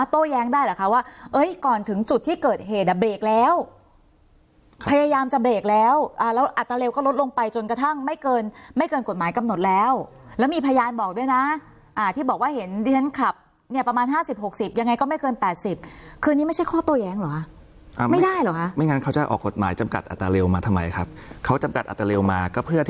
เร็วก็ลดลงไปจนกระทั่งไม่เกินไม่เกินกฎหมายกำหนดแล้วแล้วมีพยานบอกด้วยน่ะอ่าที่บอกว่าเห็นดินทันขับเนี้ยประมาณห้าสิบหกสิบยังไงก็ไม่เกินแปดสิบคือนี้ไม่ใช่ข้อตัวแย้งเหรอฮะอ่าไม่ได้เหรอฮะไม่งั้นเขาจะออกกฎหมายจำกัดอัตราเร็วมาทำไมครับเขาจำกัดอัตราเร็วมาก็เพื่